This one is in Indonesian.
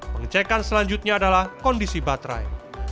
pengecekan selanjutnya adalah kondisi baterai